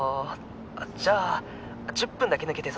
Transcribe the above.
じゃあ１０分だけ抜けて